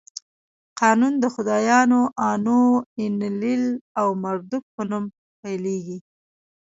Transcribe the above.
قانون د خدایانو آنو، اینلیل او مردوک په نوم پیلېږي.